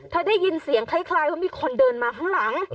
ได้ยินเสียงคล้ายว่ามีคนเดินมาข้างหลัง